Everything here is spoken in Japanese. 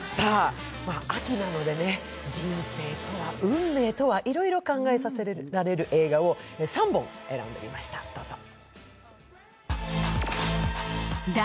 秋なので、人生とは、運命とは、いろいろ考えさせられる映画を３本選んでみました、どうぞ。